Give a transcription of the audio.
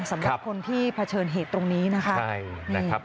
สำหรับคนที่เผชิญเหตุตรงนี้นะคะ